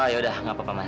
yaudah gak apa apa mas